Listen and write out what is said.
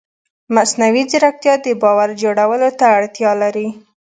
مصنوعي ځیرکتیا د باور جوړولو ته اړتیا لري.